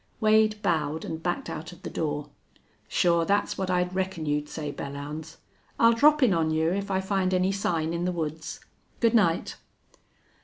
Wade bowed and backed out of the door. "Sure that's what I'd reckon you'd say, Belllounds.... I'll drop in on you if I find any sign in the woods. Good night."